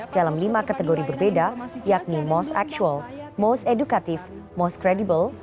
dalam lima kategori berbeda yakni most actual most educative most kredibel